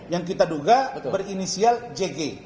yang kita duga berinisial jg